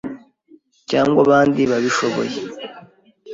cyangwa abandi babishoboye.